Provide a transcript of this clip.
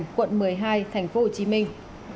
tại phường hiệp thành quận một mươi hai thành phố hồ chí minh